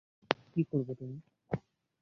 কী করবে তুমি।